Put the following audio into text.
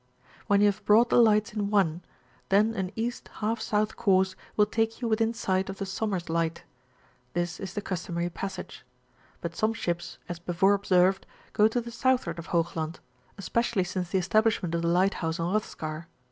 When you have brought the lights in one, then an £.^ S. course will taxe you within sight of the Sommers Light: this is the customary passage ; but some ships,' as before observed, go to the southward of Hoog land, especially smce the establishment of the lighthouse on Roihskar.